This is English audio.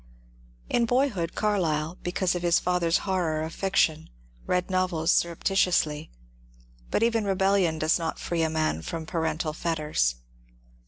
In boyhood Carlyle, because of his father's horror of fiction, read novels surreptitiously ; but even rebellion does not free a man from parental fetters.